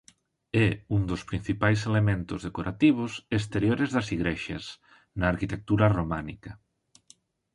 É un dos principais elementos decorativos exteriores das igrexas na arquitectura románica.